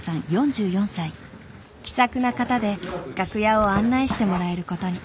気さくな方で楽屋を案内してもらえることに。